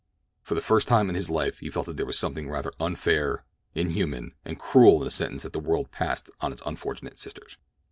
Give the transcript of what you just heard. For the first time in his life he felt that there was something rather unfair, inhuman, and cruel in the sentence that the world passed on its unfortunate sisters.